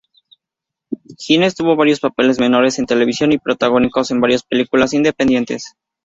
Hines tuvo varios papeles menores en televisión y protagónicos en varias películas independientes.